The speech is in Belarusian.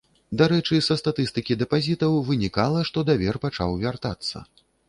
Дарэчы, са статыстыкі дэпазітаў вынікала, што давер пачаў вяртацца.